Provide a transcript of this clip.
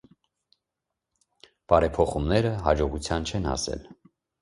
Բարեփոխումները հաջողության չեն հասել։